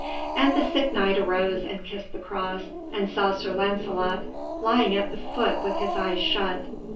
And the sick Knight arose and kissed the cross, and saw Sir Lancelot lying at the foot with his eyes shut.